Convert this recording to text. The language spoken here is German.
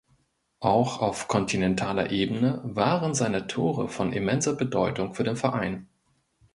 Auch auf kontinentaler Ebene waren seine Tore von immenser Bedeutung für den Verein.